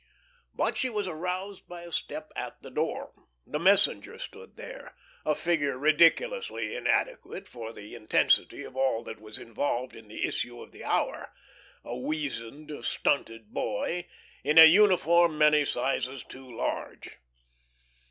But she was aroused by a step at the door. The messenger stood there, a figure ridiculously inadequate for the intensity of all that was involved in the issue of the hour a weazened, stunted boy, in a uniform many sizes too large.